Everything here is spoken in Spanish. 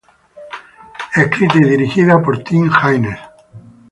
Fue escrita y dirigida por Tim Haines.